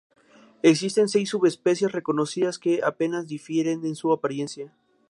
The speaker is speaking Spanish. Existen seis subespecies reconocidas, que apenas difieren en su apariencia.